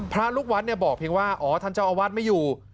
พระลูกวัดเนี่ยบอกเพียงว่าอ๋อท่านเจ้าอาวาสไม่อยู่